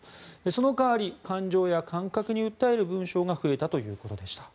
その代わり感情や感覚に訴える文章が増えたということでした。